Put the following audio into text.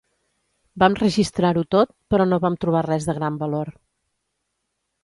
Vam registrar-ho tot, però no vam trobar res de gran valor